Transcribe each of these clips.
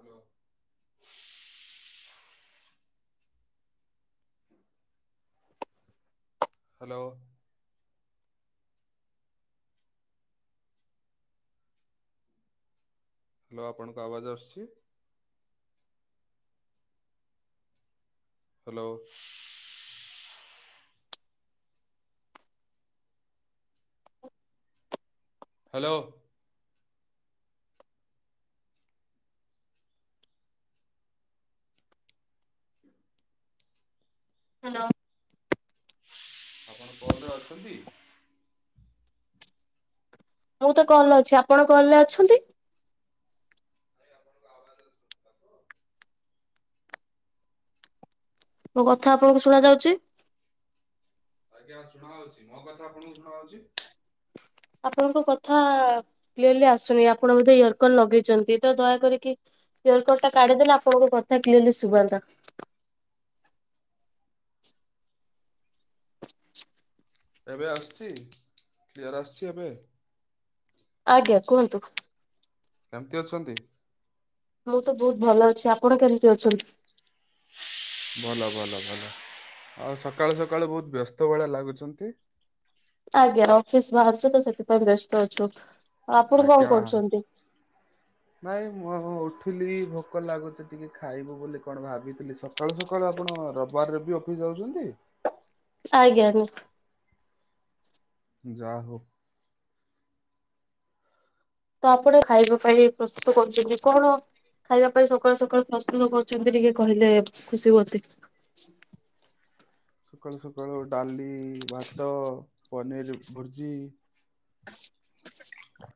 Hello! Hello? Hello ଆପଣଙ୍କ ଆବାଜ ଆସୁଛି? ହ୍ୟାଲୋ? [inaudible] ହ୍ୟାଲୋ? ହ୍ୟାଲୋ! ଆପଣ କଲରେ ଅଛନ୍ତି? ମୁଁ ତ କଲ୍ ର ଅଛି, ଆପଣ କଲ୍ ରେ ଅଛନ୍ତି? ମୋ କଥା ଆପଣଙ୍କୁ ଶୁଣ ଯାଉଛି? ଆଜ୍ଞା ଶୁଣାହଉଛି, ମୋ କଥା ଆପଣଙ୍କୁ ଶୁଣାଉଛି! ଆପଣଙ୍କ କଥା ଆ-କ୍ୟରଲି ଆସୁନି। ଆପଣ ବୋଧେ ଇୟର କଲ ଲଗେଇଛନ୍ତି, ତ ଦୟାକରିକି ଇୟର କୋର୍ଡ ଟା କାଢିଦେନେ ଆପଣଙ୍କ କଥା କ୍ଲିୟରଲି ଶୁଭନ୍ତା। ଏବେ ଆସିଛି? କ୍ଲିୟର ଆସୁଚି ଏବେ? ଆଜ୍ଞା, କୁହନ୍ତୁ। କେମିତି ଅଛନ୍ତି? ମୁଁ ତ ବହୁତ ଭଲ ଅଛି, ଆପଣ କେମିତି ଅଛନ୍ତି? ଭଲ ଭଲ ଭଲ ଆଉ ସକାଳୁ ସକାଳୁ ବହୁତ ବ୍ୟସ୍ତ ଭଳିଆ ଲାଗୁଛନ୍ତି? ଆଜ୍ଞା ଅଫିସ୍ ବାହାରୁଛୁ, ତ ସେଥିପାଇଁ ବ୍ୟସ୍ତ ଅଛୁ। ଆପଣ କଣ ଆଜ୍ଞା, କରୁଛନ୍ତି? ନାଇଁ ମୁଁ ଉଠିଲି ଭୋକ ଲାଗୁଛି। ଟିକେ ଖାଇବି ବୋଲି କଣ ଭାବିଥିଲି, ସକାଳୁ ସକାଳୁ ଆପଣ ରବିବାରରେ ବି ଅଫିସ ଯାଉଛନ୍ତି? ଆଜ୍ଞା। ଯା, ହଉ। ତାପରେ ଖାଇବା ପାଇଁ ପ୍ରସ୍ତୁତ କରୁଛନ୍ତି କଣ? ଖାଇବା ପାଇଁ ସକାଳୁ ସକାଳୁ ପ୍ରସ୍ତୁତ କରୁଛନ୍ତି, କହିଲେ ଟିକେ ଖୁସି ହୁଅନ୍ତି। ହଁ। ସକାଳୁ ସକାଳୁ ଡାଲି, ଭାତ, ପନିର, ଭୁଜି [inaudible]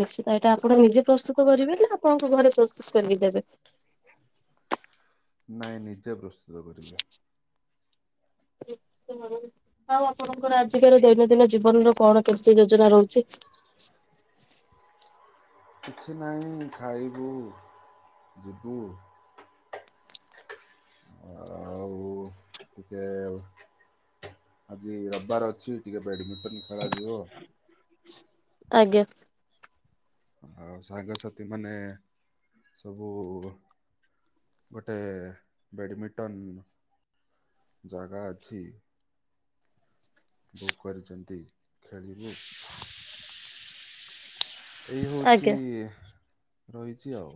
ନିଶ୍ଚିତଏଇଟା ଆପଣ ନିଜେ ପ୍ରସ୍ତୁତ କରିବେ ନା କୁହନ୍ତୁ ଘରେ ପ୍ରସ୍ତୁତ କରିକି ଦେବେ? ନାଇଁ ନିଜେ ପ୍ରସ୍ତୁତ କରିବେ। ଧେକ୍ ତା ଲି ଆଉ ଆପଣଙ୍କର ଆଜିକାଲି ଦୈନନ୍ଦିନ ଜୀବନ ର କଣ କେମିତି ଯୋଜନା ରହୁଛି। [inaudible] କିଛି ନାହିଁ ଖାଇବୁ, ଯିବୁ ଆ ଓଁ ଉ। ଟିକେ, ଆଜି ରବିବାର ଅଛି ଟିକେ ବଡମିଟ ଟିକେ ଖରା ଯିବ। ଆଜ୍ଞା ଆଉ ସାଙ୍ଗସାଥି ମାନେ, ସବୁ ଗୋଟେ, ବେଡ଼ମିଣ୍ଟନ ଜାଗା ଅଛି। ବୁକ୍ କରିଛନ୍ତି ଖେଳିବୁ। ଏଇ ହଉଚି ଆଜ୍ଞା ରହିଛି ଆଉ।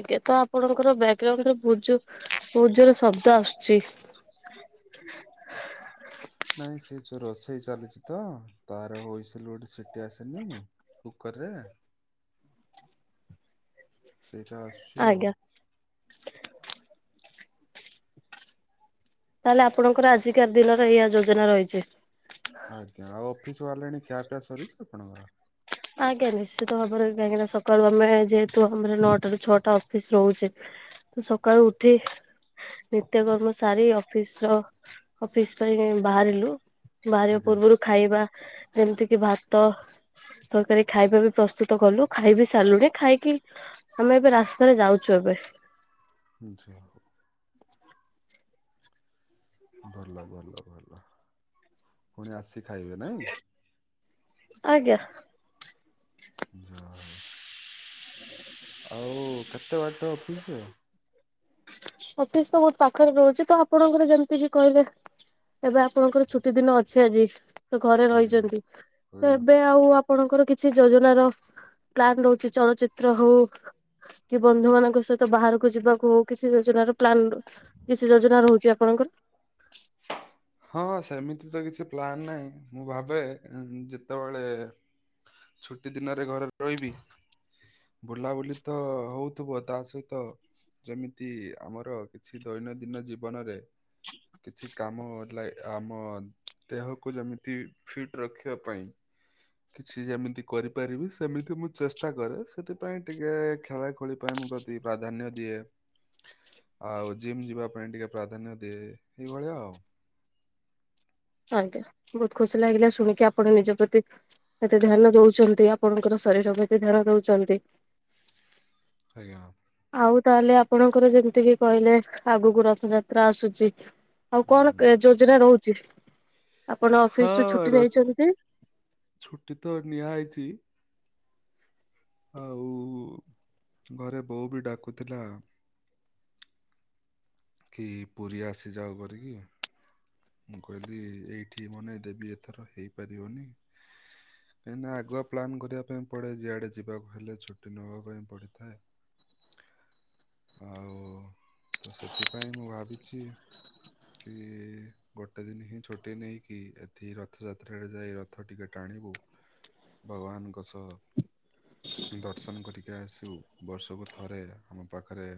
ଆଜ୍ଞା ତ ଆପଣଙ୍କର ବ୍ୟାକଗ୍ରାଉଣ୍ଡରେ ଭୁକ୍ ଜୋର୍ ବହୁତ୍ ଜୋର୍ ଶବ୍ଦ ଆସୁଛି। କ୍ ଛକ କ। ନାଇଁ ସେ ଚୁରସ। ହେଚାଲିଛି ତ ତାର ହୋଇସିଲ ଗୋଟେ ସିଟି ଆସିନି କୁକରରେ। ସ୍ନୁ ଷ୍ନୁ ସୁସ୍ନୁ। ସେଇଟା ଆସୁଛି ଆଉ। ଆଜ୍ଞା ତାହେଲେ ଆପଣଙ୍କର ଆଜିକା ଦିନରେ ଏଇଆ ଯୋଜନା ରହିଛି। ଆଜ୍ଞା ଆଉ ଅଫିସ ବାହାରିଲେଣି ଖିଆପିଆ ସରିଛି ଆପଣଙ୍କର। ଆଜ୍ଞା ନିଶ୍ଚିତ ଭାବରେ କାହିଁକିନା ସକାଳୁ ଆମେ ଯେହେତୁ ଆମର ନଅଟା ରୁ ଛଅଟା ଅଫିସ୍ ରହୁଛେ। ସକାଳୁ ଉଠେ। ନିତ୍ୟକର୍ମ ସାରି ଅଫିସ୍ ର ଅଫିସ୍ ପାଇଁ ବାହାରିଲୁ। ବାହାରିବା ଆଜ୍ଞା ପୂର୍ବରୁ ଖାଇବା ଯେମିତି କିି ଭାତ। ତରକାରୀ ଖାଇବା ବି ପ୍ରସ୍ତୁତ କଲୁ ଖାଇ ବିି ସାରିଲୁଣିି ଖାଇକି ଆମେ ଏବେ ରାସ୍ତାରେ ଯାଉଛୁ ଏବେ। ଯାହୋଉ। ଭଲ ଭଲ ଭଲ ପୁଣି ଆସିକି ଖାଇବେ ନାଇଁ। ଆଜ୍ଞା ଯା ହୋଉ। ଆଉ କେତେ ବାଟ ଅଫିସ? ଅଫିସ ତ ବହୁତ ପାଖରେ ରହୁଛି ତ ଆପଣଙ୍କର ଯେମିତି ବି କହିଲେ। ଏବେ ଆପଣଙ୍କର ଛୁଟି ଦିନ ଅଛି ଆଜି ତ ଘରେ ଆଜ୍ଞା। ରହିଯାନ୍ତୁ ତ ଆଜ୍ଞା ଏବେ ଆଉ ଆପ ଆପଣଙ୍କର କିଛି ଯୋଜନାର ପ୍ଲାନ ରହୁଛି ଚଳଚିତ୍ର ହଉ କି ବନ୍ଧୁ ମାନଙ୍କ ସହିତ ବାହାରକୁ ଯିବାକୁ ହଉ। କିଛି ଯୋଜନାର ପ୍ଲାନ କିଛି ଯୋଜନା ରହୁଛି ଆପଣଙ୍କର। ଏ ତ କିଛି ପ୍ଲାନ୍ ନାହିଁ ମୁଁ ଭାବେ ଯେତେବେଳେ ଛୁଟି ଦିନରେ ଘରେ ରହିବି। ବୁଲାବୁଲି ତ ହଉଥିବ ତା ସହିତ ଯେମିତି ଆମର କିଛି ଦୈନନ୍ଦିନ ଜୀବନରେ କିଛି କାମ ଲା ଆମ ଦେହକୁ ଯେମିତି ଫିଟ୍ ରଖିବା ପାଇଁ କିଛି ଯେମିତି କରିପାରିବି ସେମିତି ମୁଁ ଚେଷ୍ଟା କରେ ସେଥିପାଇଁ ଟିକେ ଖେଳା ଖୁଳି ପାଇଁ ପ୍ରତି ପ୍ରାଧାନ୍ୟ ଦିଏ। ଆଉ ଜିମ୍ ଯିବା ପାଇଁ ଟିକେ ପ୍ରାଧାନ୍ୟ ଦିଏ ଏଇଭଳିଆ ଆଉ। ଆଜ୍ଞା ବହୁତ ଖୁସି ଲାଗିଲା ଶୁଣିକି ଆପଣ ନିଜ ପ୍ରତି ଏତେ ଧ୍ୟାନ ଦଉଛନ୍ତି ଆପଣଙ୍କର ଶରୀର ଶରୀର ପ୍ରତି ଧ୍ୟାନ ଦଉଛନ୍ତି। ଆଜ୍ଞା। ଆଉ ତାହେଲେ ଆପଣଙ୍କର ଯେମିତି କିି କହିଲେ ଆଗକୁ ରଥ ଯାତ୍ରା ଆସୁଛି। ଆଉ କଣ ହୁଁ। ଯୋଜନା ରହୁଛି? ଆପଣ ଅଫିସ ରୁ ହଁ ଛୁଟି ର- ନେଇଛନ୍ତି? ଛୁଟି ତ ନିଆ ହେଇଛି ଆଉ ଘରେ ବୋଉ ବି ଡାକୁଥିଲା। କି ପୁରୀ ଆସିଯାଉ କରିକି। ମୁଁ କହିଲି ଏଇଠି ମନେ ଦେବି ଏଥର ହେଇପାରିବନି। କାହିଁକିନା ଆଗୁଆ ପ୍ଲାନ୍ କରିବା ପାଇଁ ପଡେ ଯିଆଡେ ଯିବାକୁ ହେଲେ ଛୁଟି ନବା ପାଇଁ ପଡିଥାଏ। ଆଉ ତ ସେଥିପାଇଁ ମୁଁ ଭାବିଛି କି ଗୋଟେ ଦିନ ହିଁ ଛୁଟି ନେଇକି ଏଠି ରଥଯାତ୍ରାରେ ଯାଇ ରଥ ଟିକେ ଟାଣିବୁ। ଭଗବାନଙ୍କ ସହ ଦର୍ଶନ କରିକି ଆସୁ ବର୍ଷକୁ ଥରେ ଆମ ପାଖରେ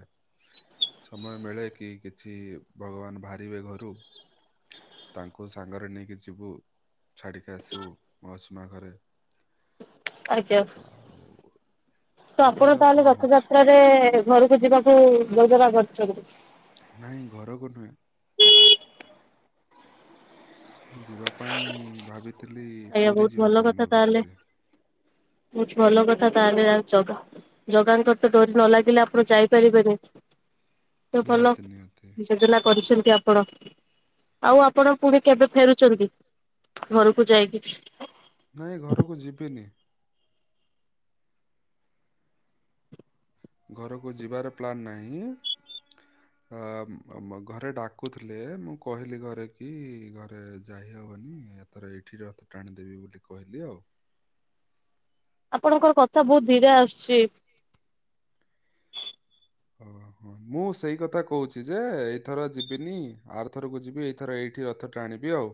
ସମୟ ମିଳେ କି କିଛି ଭଗବାନ ବାହାରିବେ ଘରୁ। ତାଙ୍କୁ ସାଙ୍ଗରେ ନେଇକି ଯିବୁ। ଛାଡିକି ଆସିବୁ ମାଉସୀ ମା ଘରେ ଆଜ୍ଞା। ଆଉ ତ ଆପଣ ଦେଖାଯାଉ ତାହେଲେ କଣ ରଥ ହଉଛି ଯାତ୍ରାରେ ଘରକୁ ଯିବାକୁ ଯୋଜନା କରିଚନ୍ତି? ନାଇଁ ଘରକୁ ନୁହେଁ। ଯିବା ପାଇଁ ଭାବିଥିଲି ଆଜ୍ଞା ପୁରି ବହୁତ ଯିବା ପାଇଁ ଭାବିଥିଲି। ବୋହୁତ ଭଲ କଥା ତାହେଲେ ଆଉ ଜଗାଙ୍କର ତ ଡୋରି ନ ଲାଗିଲେ ଆପଣ ଯାଇପାରିବେନି। ତ ଭଲ ନିହାତି ନିହାତି ଯୋଜନା କରିଚ ନ୍ତି ଆପଣ ଆଉ ଆପଣ ପୁଣି କେବେ ଫେରୁଚନ୍ତି ଘରକୁ ଯାଇକି? ହଁ [unintelligible] ନାଇଁ ଘରକୁ ଯିବିନି। ଘରକୁ ଯିବାର ପ୍ଲାନ୍ ନାହିଁ। ଅ ବ-ବ ଘରେ ଡାକୁଥିଲେ ମୁଁ କହିଲି ଘରେ କି ଘରେ ଯାଇହବ ହବନି ଏଥର ଏଇଠି ରଥ ଟାଣିଦେବି ବୋଲି କହିଲି ଆଉ। ଆପଣଙ୍କର କଥା ବୋହୁତ ଧୀରେ ଆସୁଚି। ଓହ ମୁଁ ସେଇ କଥା କହୁଚି ଯେ ଏଇଥର ଯିବିନି ଆରଥରକୁ ଯିବି ଏଇଥର ଏଇ ଠି ରଥ ଟାଣିବି ଆଉ।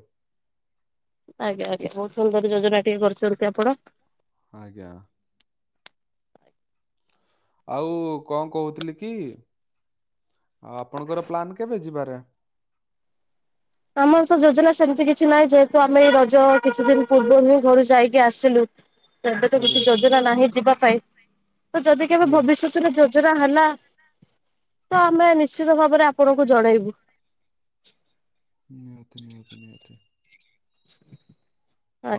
ଆଜ୍ଞା ଆଜ୍ଞା ବୋହୁତ ସୁନ୍ଦର ଯୋଜନା ଟିକେ କରିଚନ୍ତି ଆପଣ। ଆଜ୍ଞା। ଆଉ କଣ କହୁଥିଲି କି। ଆଉ ଆପଣଙ୍କର ପ୍ଲାନ କେବେ ଯିବାରେ? ଆମର ତ ଯୋଜନା ସେମିତି କିଛି ନାହିଁ ଯେହେତୁ ଆମେ ରଜ କିଛି ଦିନ ପୂର୍ବରୁ ହିଁ ଘରୁ ଯାଇକି ଆସିଲୁ। ସେ ଏବେ ତ କିଛି ଯୋଜନା ନାହିଁ ଯିବା ପାଇଁ ତ ଯଦି କେବେ ଆଜ୍ଞା ଭବିଷ୍ୟତରେ ଜୋ [unintelligible] ହେଲା ତ ଆମେ ନିଶ୍ଚିତ ଭାବରେ ଆପଣଙ୍କୁ ଜଣେଇବୁ। ନିହାତି ନିହାତି ନିହାତି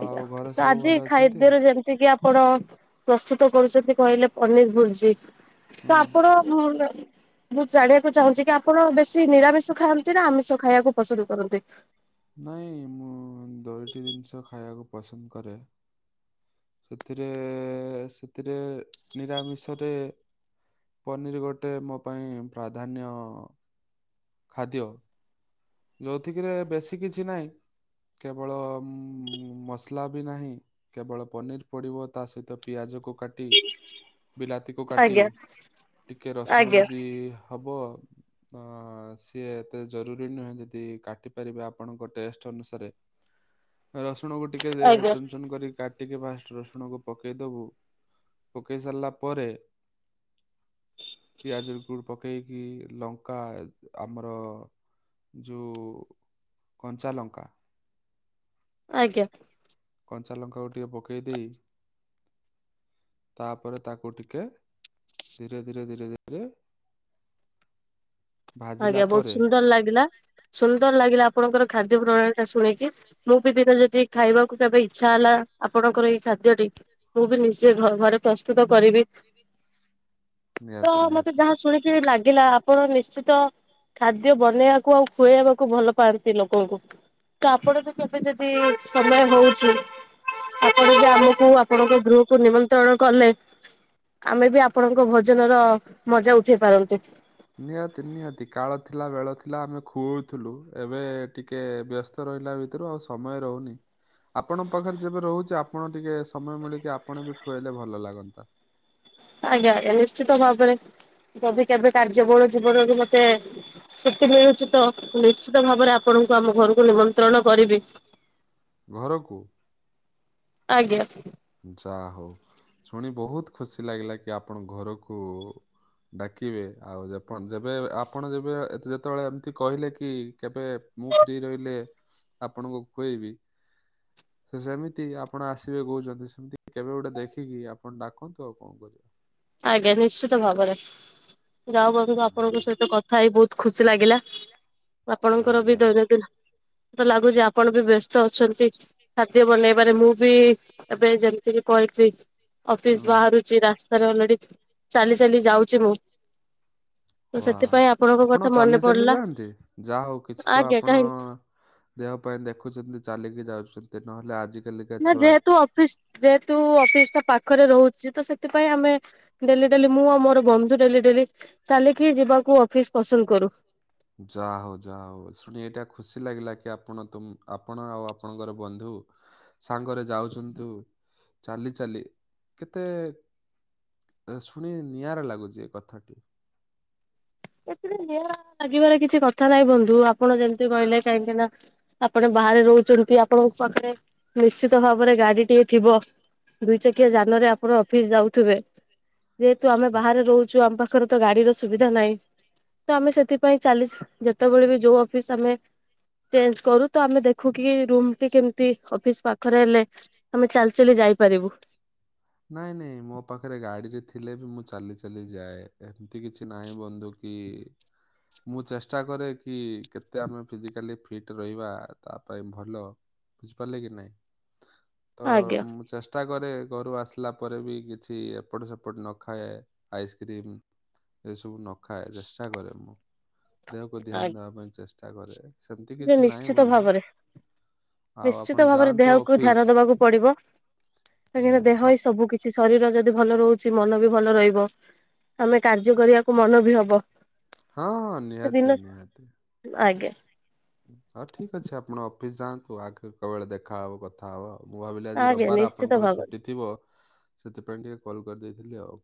ଆଉ ଘରେ ତ ସବୁ ଆଜି ଭଲ ଅଛନ୍ତି ଖାଦ୍ୟରେ ଯେମିତି କିି ଆପଣ ପ୍ରସ୍ତୁତ କରୁଚନ୍ତି କହିଲେ ପନିର ଭୁର୍ଜି ତ ହଁ ଆପଣ ମୁଁ ଜାଣିବାକୁ ଚାହୁଁଚି କି ଆପଣ ବେଶୀ ନିରାମିଷ ଖାଆନ୍ତି ନା ଆମିଷ ଖାଇବାକୁ ପସନ୍ଦ କରନ୍ତି। ନାଇଁ ମୁଁ ଦୋଅଟି ଜିନିଷ ଖାଇବାକୁ ପସନ୍ଦ କରେ। ସେଥିରେ ସେଥିରେ ନିରାମିଷରେ ପନିର ଗୋଟେ ମୋ ପାଇଁ ପ୍ରାଧାନ୍ୟ ଖାଦ୍ୟ। ଯୋଉଥିକରେ ବେଶୀ କିଛି ନାହିଁ। କେବଳ ମସଲା ବି ନାହିଁ କେବଳ ପନିର ପଡିବ ତା ସହିତ ପିଆଜ କୁ କାଟି ବିଲାତି କୁ କାଟି ଆଜ୍ଞା ଟିକେ ରସୁଣ ଆଜ୍ଞା ଯଦି ହବ ତ ସିଏ ଏତେ ଜରୁରୀ ନୁହେଁ ଯ ଦି କାଟି ପାରିବେ ଆପଣଙ୍କ ଟେଷ୍ଟ ଅନୁସାରେ ରସୁଣ ଟିକେ ଆଜ୍ଞା ଚୁନ ଚୁନ କରି କା ଟିକେ ଫାଷ୍ଟ ରସୁଣକୁ ପକେଇଦବୁ ପକେଇ ସାରିଲା ପରେ ପିଆଜକୁ ପକେଇକି ଲଙ୍କା ଆମର ଯୋଉ କଞ୍ଚା ଲଙ୍କା। ଆଜ୍ଞା। କଞ୍ଚା ଲଙ୍କାକୁ ଟିକେ ପକେଇ ଦେଇ ତାପରେ ତାକୁ ଟିକେ ଧୀରେ ଧୀରେ ଧୀରେ ଧୀରେ ଭାଜିଲା ଆଜ୍ଞା ବୋହୁତ ପରେ ସୁନ୍ଦର ଲାଗିଲା ସୁନ୍ଦର ଲାଗିଲା ଆପଣଙ୍କର ଖାଦ୍ୟ ପ୍ରଣାଳୀ ଟା ଶୁଣିକି ମୁଁ ବି ଦିନେ ଯଦି ଖାଇବାକୁ କେବେ ଇଛା ହେଲା ଆପଣଙ୍କର ଏଇ ଖାଦ୍ୟଟି ମୁଁ ବି ନିଜେ ଘରେ ପ୍ରସ୍ତୁତ କରିବି। ହ ତ ମତେ ଯାହା ଶୁଣିକି ଲାଗିଲା ଆପଣ ନିଶ୍ଚିତ ତ ଖାଦ୍ୟ ବନେଇବାକୁ ଆଉ ଖୁଆଇବାକୁ ଭଲ ପାଆନ୍ତି ଲୋକଙ୍କୁ ତ ଆପଣ ବି କେବେ ଯଦି ସମୟ ହଉଛି ଆପଣ ଯଦି ଆମକୁ ଆପଣଙ୍କ ଗୃହକୁ ନିମନ୍ତ୍ରଣ କଲେ ଆମେ ବି ଆପଣଙ୍କ ଭୋଜନର ମଜା ଉଠେଇ ପାରନ୍ତୁ। ନିହାତି ନିହାତି, କାଳ ଥିଲା, ବେଳ ଥିଲା, ଆମେ ଖୁଅଉଥିଲୁ, ଏବେ ଟିକେ ବ୍ୟସ୍ତ ରହିଲା ଭିତରୁ ଆଉ ସମୟ ରହୁନି, ଆପଣଙ୍କ ପାଖରେ ଯେବେ ରହୁଛି ଆପଣ ଟିକେ ସମୟ ମିଳିକି ଆପଣ ବି ଖୁଆଇଲେ ଭଲ ଭଲ ଲାଗନ୍ତା। କେବେ କେବେ କାର୍ଯ୍ୟବଳ ଜୀବନରେ ମତେ ଛୁଟି ମିଳୁଛି ତ, ନିଶ୍ଚିତ ଭାବରେ ଆପଣଙ୍କୁ ଆମ ଘରକୁ ନିମନ୍ତ୍ରଣ କରିବି। ଘରକୁ। ଆଜ୍ଞା। ଯାହା ହଉ ଶୁଣି ବୋହୁତ ଖୁସି ଲାଗିଲା କି ଆପଣ ଘରକୁ ଡାକିବେ। ଆଉ ଆପଣ ଯେବେ, ଆପଣ ଯେବେ ଯେତେବେଳେ ଏମିତି କହିଲେ କି କେବେ- ମୁଁ ଫ୍ରୀି ରହିଲେ, ଆପଣଙ୍କୁ ଖୁଏଇବି। ଯେମିତି ଆପଣ ଆସିବେ କହୁଛନ୍ତି। [inaudible] କେବେ ଗୋଟେ ଦେଖିକି ଆପଣ ଡାକନ୍ତୁ ଆଉ କଣ କହିବି। ଆଜ୍ଞା ନିଶ୍ଚିତ ଭାବରେ, ଯା ହଉ ବନ୍ଧୁ ଆପଣଙ୍କ ସହିତ କଥା ହେଇ ବହୁତ ଖୁସି ଲାଗିଲା। ଆପଣଙ୍କର ବି ଆଜ୍ଞା ଦୈନନ୍ଦିନ ତ ଲାଗୁଛି ଆପଣ ବି ବ୍ୟସ୍ତ- ଅଛନ୍ତି। ଖାଦ୍ୟ ବନେଇବାରେ ମୁଁ ବି- ଏବେ ଯେମିତିକି କହିଛି ହଁ ଅଫିସ ବାହାରୁଛି, ରାସ୍ତାରେ ଅଲରେଡି ଚାଲି ଚାଲି ଯାଉଛି ମୁଁ। ତ ୱା। ସେଥିପାଇଁ ଆପଣଙ୍କ ଆପଣ କଥା ମନେ ଚାଲି ଚାଲି ପଡିଲା ଯାଆନ୍ତି? ଯାହା ହଉ କିଛି ତ ଆଜ୍ଞା ଆପଣ କାହିଁକି ଦେହ ପାଇଁ ଦେଖୁଛନ୍ତି, ଚାଲିକି ଯାଉଛନ୍ତି, ନହେଲେ ଆଜି ନା ଯେହେତୁ ଅଫିସ, ଯେହେତୁ ଅଫିସ ଟା ପାଖରେ ରହୁ ସିଏ ତ ସେଥିପାଇଁ ଆମେ ଡେଲି ଡେଲି ମୁଁ ଆଉ ମୋର ବନ୍ଧୁ ଡେଲି ଡେଲି ଚାଲିକି ଯିବାକୁ ଅଫିସ ପସନ୍ଦ କରୁ। ଯାହା ହଉ, ଯାହା ହଉ, ଶୁଣି ଏଇଟା ଖୁସି ଲାଗିଲା କି ଆପଣ ତ ଆପଣ ଆଉ ଆପଣଙ୍କର ବନ୍ଧୁ ସାଙ୍ଗରେ ଯାଉଛନ୍ତୁ, ଚାଲି ଚାଲି କେତେ ଶୁଣି ନିଆରା ଲାଗୁଛି ଏ କଥାଟି ଏଥିରେ ନିଆ ଲାଗିବାର କିଛି କଥା ନାହିଁ ବନ୍ଧୁ, ଆପଣ ଯେମତି କହିଲେ କାହିଁକି ନା ଆପଣ ବାହାରେ ରହୁଛନ୍ତି, ଆପଣଙ୍କ ପାଖରେ ନିଶ୍ଚିତ ଭାବରେ ଗାଡି ଟିଏ ଥିବ? ଦୁଇ ଚକିଆ ଜାନରେ ଆପଣ ଅଫିସ ଯାଉଥିବେ? ଯେହେତୁ ଆମେ ବାହାରେ ରହୁଛୁ, ଆମ ପାଖରେ ତ ଗାଡିର ସୁବିଧା ନାହିଁ ତ ଆମେ ସେଥିପାଇଁ ଚାଲିଛୁ, ଯେତେବେଳେ ବି ଯୋଉ ଅଫିସ ଆମେ ଚେଞ୍ଜ୍ କରୁ ତ, ଆମେ ଦେଖୁ କିି ରୁମ୍ ଟି କେମିତି ଅଫିସ୍ ପାଖରେ ହେଲେ ଆମେ ଚାଲିଚାଲି ଯାଉ ଯାଇପାରିବୁ। ହଁ [inaudible] ନାଇଁ ନାହିଁ, ମୋ ପାଖରେ ଗାଡିରେ ଥିଲେ ବି ମୁଁ ଚାଲି ଚାଲି ଯାଏ, ଏମିତି କିଛି ନାହିଁ ବନ୍ଧୁ କି? ମୁଁ ଚେଷ୍ଟା କରେ କି -କେତେ ଆମେ ଫିଜିକାଲି ଫିଟ ରହିବା ତା ପାଇଁ ଭଲ ବୁଝିପାରିଲେ କି ନାଇଁ, ତ ଆଜ୍ଞା। ମୁଁ ଚେଷ୍ଟା କରେ, ଘରୁ ଆସିଲ ଆଲଲା ପରେ ବି କିଛି ଏପଟ ସେପଟ ନ ଖାଏ ଆଇସ୍କ୍ରିମ୍ ଏସବୁ ନଖାଏ ଚେଷ୍ଟା କରେ, ମୁଁ ଦେହକୁ ଧ୍ୟାନ ଦେବା ପାଇଁ ଚେଷ୍ଟା କରେ। ସେମିତି ସେ କିଛି ନାହିଁ ନିଶ୍ଚିତ ବନ୍ଧୁ ଭାବରେ। ଆଉ ଆପଣ ନିଶ୍ଚିତ ଭାବରେ ଯାଆନ୍ତୁ ଦେହକୁ ଅଫିସ୍ ଧ୍ୟାନ ଦବାକୁ ପଡିବ ହୁଁ, କାହିଁକିନା ଦେହ ଆ- ଏ ସବୁ କିଛି। କି ଶରୀର ଯଦି ଭଲ ରହୁଛି, ମନ ବି ଭଲ ରହିବ, ଆମେ କାର୍ଯ୍ୟ କରିବାକୁ ମନ ବି ହବ। ହଁ ହଁ ସେ ନିହାତି ଦିନ, ନିହାତି ଆଜ୍ଞା। ହଉ ଠିକ ଅଛି, ଆପଣ ଅଫିସ୍ ଯାଆନ୍ତୁ, ଆଗ କେତେବେଳେ ଦେଖାହବ କଥା ହବ ଆଉ ଉ ମୁଁ ଭାବିଲି ଆଜି ଆଜ୍ଞା ରବିବାର ନିଶ୍ଚିତ ଆପଣଙ୍କର ଭାବରେ ଛୁଟି ଥିବ, ସେଥିପାଇଁ ଟିକେ କଲ୍ କରିଦେଇଥିଲି ଆଉ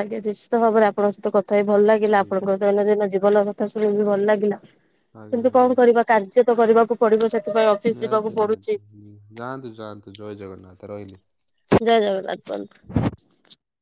ଆଜ୍ଞା, ନିଶ୍ଚିତ ଭାବରେ ଆପଣଙ୍କ ସହିତ କଥା ହେଇ ଭଲ ଲାଗିଲା, ଠିକ୍ ଆପଣଙ୍କର ଅଛି ଦୈନଦିନ ଜୀବନ କଥା ଶୁଣିବି ଭଲ ଲାଗିଲା। ଆଜ୍ଞା କିନ୍ତୁ ଆଜ୍ଞା କଣ କରିବା କାର୍ଯ୍ୟ ତ କରିବାକୁ ପଡିବ ସେଠ ନିହାତି ନିହାତି, ଯାଆନ୍ତୁ ଯାଆନ୍ତୁ, ଜୟ ଜଗନ୍ନାଥ। ରହିଲି। ଜୟ ଜଗନ୍ନାଥ ବନ୍ଧୁ।